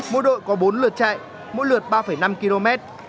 mỗi đội có bốn lượt chạy mỗi lượt ba năm km